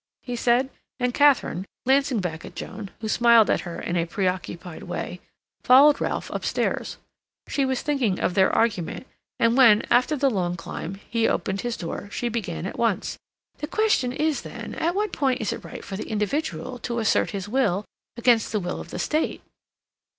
he said. And Katharine, glancing back at Joan, who smiled at her in a preoccupied way, followed Ralph upstairs. She was thinking of their argument, and when, after the long climb, he opened his door, she began at once. "The question is, then, at what point is it right for the individual to assert his will against the will of the State."